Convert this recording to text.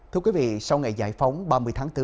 thưa quý vị sau ngày giải phóng ba mươi tháng bốn